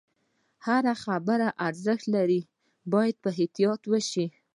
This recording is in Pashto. هره خبره ارزښت لري، باید احتیاط وشي.